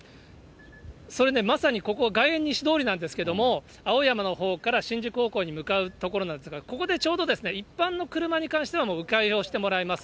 それね、まさに外苑西通りなんですけど、青山のほうから新宿方向に向かう所なんですが、ここでちょうど、一般の車に関しては、もうう回をしてもらいます。